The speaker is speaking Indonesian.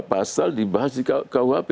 pasal dibahas di kuhp